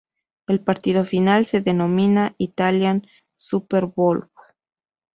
El partido final se denomina "Italian Superbowl".